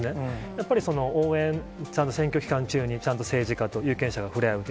やっぱり応援、ちゃんと選挙期間中に、ちゃんと政治家と有権者が触れ合うと。